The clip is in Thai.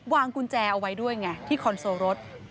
วางกุญแจเอาไว้ด้วยไงที่คอนโซลรถ